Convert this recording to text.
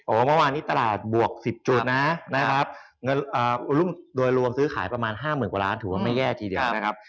เมื่อวานนี้ตลาดบวก๑๐จุดนะครับเงินโดยรวมซื้อขายประมาณ๕๐๐๐กว่าล้านถือว่าไม่แย่ทีเดียวนะครับ